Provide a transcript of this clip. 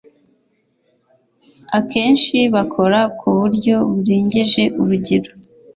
Akenshi bakora ku buryo burengeje urugero